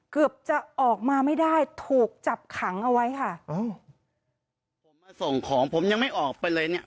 เกือบจะออกมาไม่ได้ถูกจับขังเอาไว้ค่ะอ้าวผมมาส่งของผมยังไม่ออกไปเลยเนี้ย